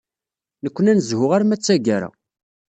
Nekkni ad nezbu arma d tagara.